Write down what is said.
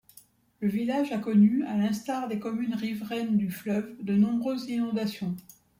Le village a connu, à l'instar des communes riveraines du fleuve, de nombreuses inondations.